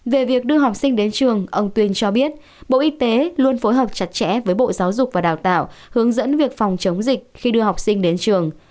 về việc đưa học sinh đến trường ông tuyên cho biết bộ y tế luôn phối hợp chặt chẽ với bộ giáo dục và đào tạo hướng dẫn việc phòng chống dịch khi đưa học sinh đến trường